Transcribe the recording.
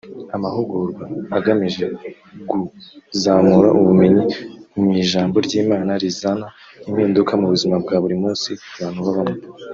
amahugurwa agamije guzamura ubumenyi mw’ijambo ry’Imana rizana impinduka mu buzima bwa buri munsi abantu babamo